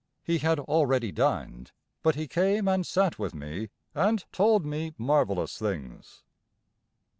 He had already dined but he came and sat with me, and told me marvellous things.